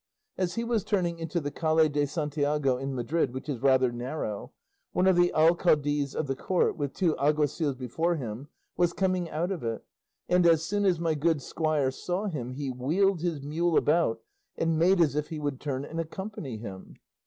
As he was turning into the Calle de Santiago in Madrid, which is rather narrow, one of the alcaldes of the Court, with two alguacils before him, was coming out of it, and as soon as my good squire saw him he wheeled his mule about and made as if he would turn and accompany him.